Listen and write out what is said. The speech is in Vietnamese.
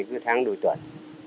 thì cứ hàng tháng đôi tuần